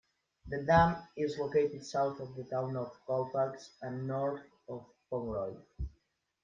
The dam is located south of the town of Colfax, and north of Pomeroy.